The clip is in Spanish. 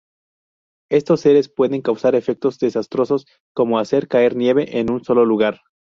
Estos seres pueden causar efectos desastrosos como hacer caer nieve en un solo lugar.